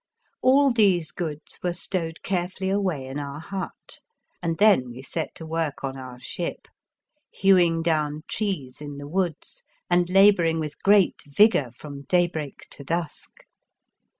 All these goods were stowed care fully away in our hut, and then we set to work on our ship, hewing down trees in the woods, and labouring with great vigour from daybreak to dusk.